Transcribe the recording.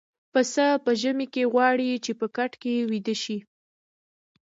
پسه په ژمي کې غواړي چې په کټ کې ويده شي.